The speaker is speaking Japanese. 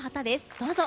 どうぞ。